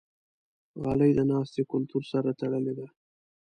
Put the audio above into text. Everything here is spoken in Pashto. غالۍ د ناستې کلتور سره تړلې ده.